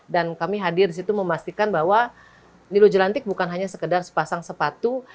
dan kami hadir di situ memastikan bahwa nilo jelantik bukan hanya sekedar sepasang sepatu